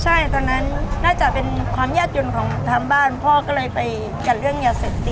ใช่ตอนนั้นน่าจะเป็นความยากจนของทางบ้านพ่อก็เลยไปกันเรื่องยาเสพติด